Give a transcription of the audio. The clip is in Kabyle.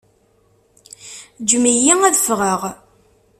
Ǧǧem-iyi ad ffɣeɣ!